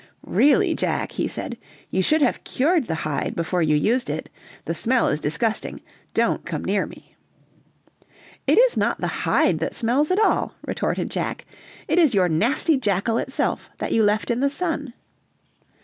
"Really, Jack," he said, "you should have cured the hide before you used it; the smell is disgusting; don't come near me." "It is not the hide that smells at all," retorted Jack, "it is your nasty jackal itself, that you left in the sun."